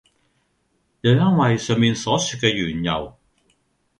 又因爲上面所說的緣由，